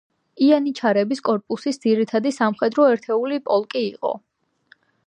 იანიჩარების კორპუსის ძირითადი სამხედრო ერთეული პოლკი იყო.